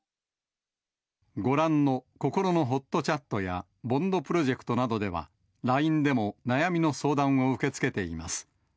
ご覧のこころのほっとチャットや、ＢＯＮＤプロジェクトなどでは、ＬＩＮＥでも悩みの相談を受け付けています。